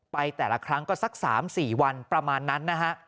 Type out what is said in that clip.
ไปแต่ละครั้งก็สัก๓๔วันประมาณนั้นนะฮะ